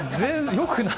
よくない？